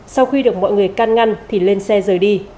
sau khi được mọi người can ngăn thì lên xe rời đi